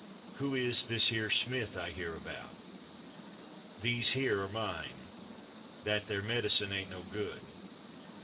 Who is /this here/ Smith I hear about? /These here/ are mine. /That there/ medicine ain't no good.